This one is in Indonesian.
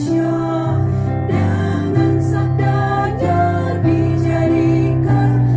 kesan bagi jika kita memeluknya